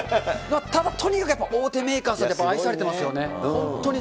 ただとにかく、大手メーカーさんって、やっぱり愛されていますよね。